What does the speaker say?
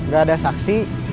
gak ada saksi